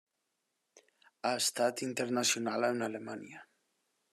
Ha estat internacional amb Alemanya.